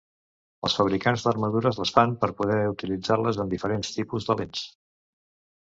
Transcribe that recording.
Els fabricants d'armadures les fan per poder utilitzar-les amb diferents tipus de lents.